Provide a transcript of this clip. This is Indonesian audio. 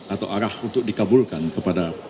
atau arah untuk dikabulkan kepada